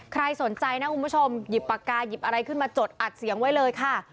ใครสนใจนะคุณผู้ชมหยิบปากกายหยิบอะไรขึ้นมาจดอัดเสียงไว้เลยค่ะ